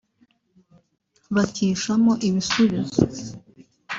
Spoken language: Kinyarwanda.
bakishamo ibisubizo